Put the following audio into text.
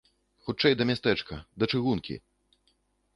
Хутчэй да мястэчка, да чыгункі!